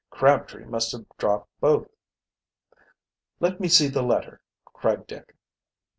Crabtree must have dropped both." "Let me see the letter!" cried Dick.